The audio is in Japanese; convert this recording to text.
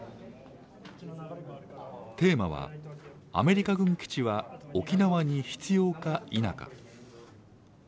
テーマは、アメリカ軍基地は沖縄に必要か否か。